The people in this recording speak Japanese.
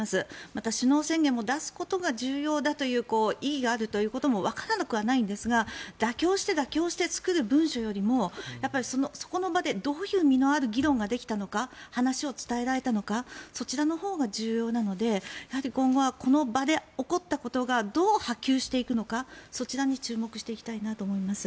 また、首脳宣言も出すことが重要だという意義があるということもわからなくはないんですが妥協して妥協して作る文書よりもそこの場でどういう実のある議論ができたのか話を伝えられたのかそちらのほうが重要なので今後はこの場で起こったことがどう波及していくのかそちらに注目していきたいなと思います。